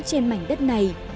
trên mảnh đất này